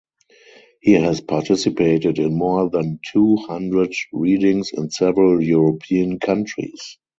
He has participated in more than two hundred readings in several European countries.